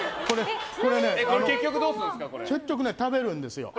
結局、食べるんですよ。